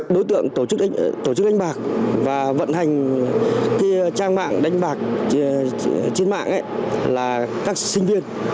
đối tượng tổ chức đánh bạc và vận hành trang mạng đánh bạc trên mạng là các sinh viên